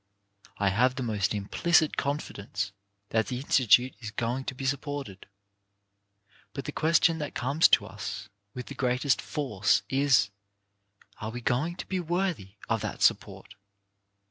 I have the most implicit confidence that the institution is going to be supported. But the question that comes to us with the greatest force is: "Are we going to be worthy of that support?